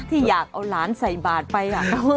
ที่อยากเอาหลานใส่บาทไป